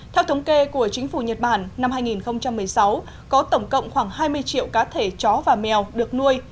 theo thống kê của chính phủ nhật bản năm hai nghìn một mươi sáu có tổng cộng khoảng hai mươi triệu cá thể chó và mèo được nuôi